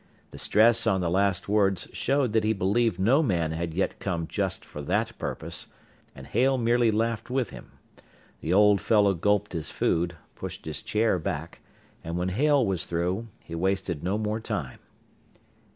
The stress on the last words showed that he believed no man had yet come just for that purpose, and Hale merely laughed with him. The old fellow gulped his food, pushed his chair back, and when Hale was through, he wasted no more time.